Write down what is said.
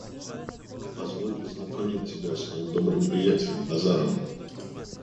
Позволь познакомить тебя с моим добрым приятелем, Базаровым